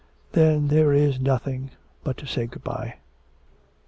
'Then there is nothing but to say good bye.'